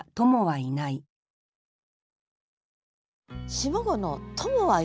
下五の「友はいない」。